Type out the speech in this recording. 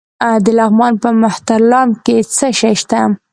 د لغمان په مهترلام کې څه شی شته؟